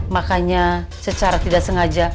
makanya secara tidak sengaja